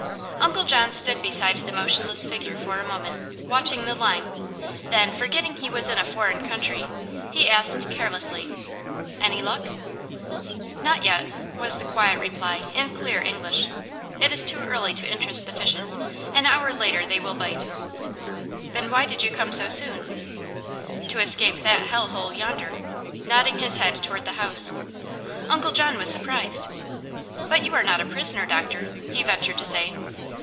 Uncle John stood beside the motionless figure for a moment, watching the line. Then, forgetting he was in a foreign country, he asked carelessly: "Any luck?" "Not yet," was the quiet reply, in clear English. "It is too early to interest the fishes. An hour later they will bite." "Then why did you come so soon?" "To escape that hell hole yonder," nodding his head toward the house. Uncle John was surprised. "But you are not a prisoner, doctor," he ventured to say.